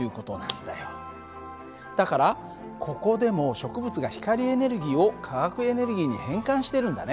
だからここでも植物が光エネルギーを化学エネルギーに変換してるんだね。